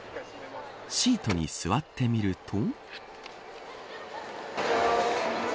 シートに座ってみると。